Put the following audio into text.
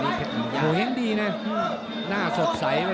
บรรยากาศมีหน้าบรรยากาศดีมากกว่านี้เพชรปุญญา